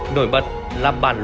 nổi bật là bản luận cương